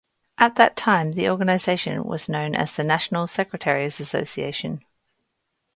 At that time, the organization was known as the National Secretaries Association.